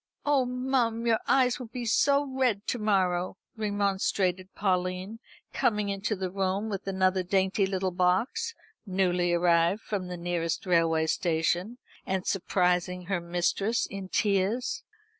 "Oh mum, your eyes will be so red to morrow," remonstrated Pauline, coming into the room with another dainty little box, newly arrived from the nearest railway station, and surprising her mistress in tears.